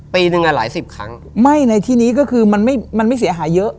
ปีหนึ่งอ่ะหลายสิบครั้งไหม้ในที่นี้ก็คือมันไม่มันไม่เสียหายเยอะ